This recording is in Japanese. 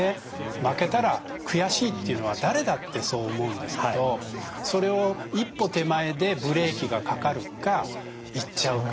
負けたら悔しいっていうのは誰だってそう思うんですけどそれを一歩手前でブレーキがかかるか言っちゃうか。